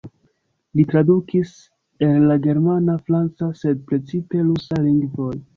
Li tradukis el la germana, franca, sed precipe rusa lingvoj.